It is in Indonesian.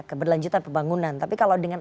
keberlanjutan pembangunan tapi kalau dengan